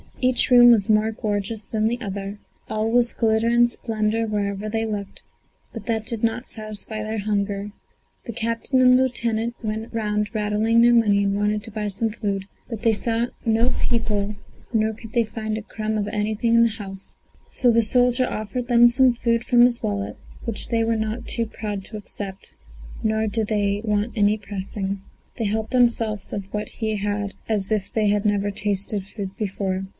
Each room was more gorgeous than the other; all was glitter and splendour wherever they looked; but that did not satisfy their hunger. The captain and the lieutenant went round rattling their money, and wanted to buy some food; but they saw no people nor could they find a crumb of anything in the house, so the soldier offered them some food from his wallet, which they were not too proud to accept, nor did they want any pressing. They helped themselves of what he had as if they had never tasted food before.